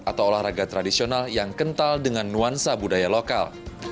atau olahraga tradisional yang kental dengan nuansa budaya lokal